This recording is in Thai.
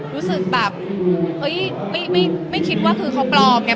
รู้สึกแบบเฮ้ยไม่คิดว่าคือเขาปลอมไง